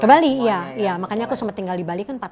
ke bali iya makanya aku sempat tinggal di bali kan pak